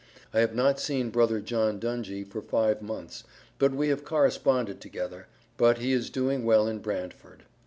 i have not seen brother John Dungy for 5 months, but we have corresponded together but he is doing well in Brandford.